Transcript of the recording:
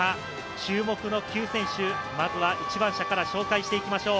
注目の９選手、まずは１番車から紹介していきましょう。